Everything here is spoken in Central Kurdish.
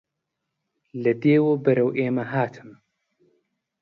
لە دێوە بەرەو ئێمە هاتن